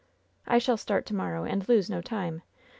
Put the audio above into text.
"I shall start to morrow, and lose no time!